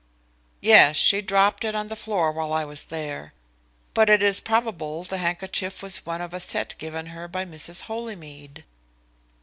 "Yes, she dropped it on the floor while I was there. But it is probable the handkerchief was one of a set given her by Mrs. Holymead."